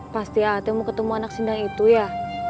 pasti ah ate mau ketemu anak sindang itu ya